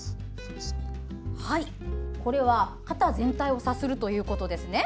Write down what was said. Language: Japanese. これは肩全体をさするということですね。